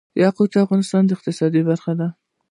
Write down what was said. یاقوت د افغانستان د اقتصاد برخه ده.